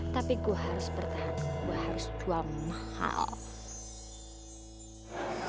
tapi gue harus bertahan gue harus buang mahal